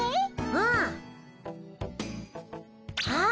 うん。あっ！